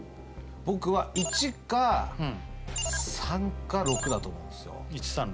僕は１か３か６だと思うんですよ